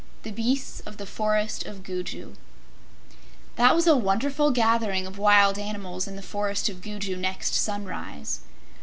The Beasts of the Forest of Gugu That was a wonderful gathering of wild animals in the Forest of Gugu next sunrise.